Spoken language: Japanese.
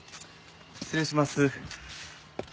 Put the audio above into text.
失礼します。